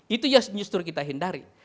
itu justru kita hindari